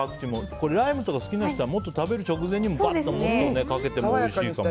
ライムとか好きな人はもっと食べる直前にももっとかけてもおいしいかも。